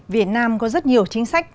việt nam có rất nhiều chính sách